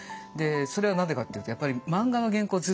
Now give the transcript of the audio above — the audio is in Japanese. でそれは何でかっていうとやっぱり漫画の原稿